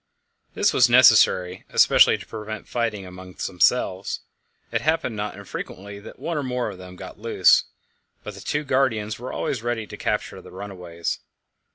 This was necessary, especially to prevent fighting among themselves. It happened not infrequently that one or more of them got loose, but the two guardians were always ready to capture the runaways.